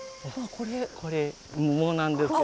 これ桃なんですけどね。